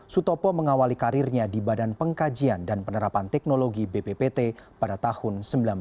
sutopo mengawali karirnya di badan pengkajian dan penerapan teknologi bppt pada tahun seribu sembilan ratus sembilan puluh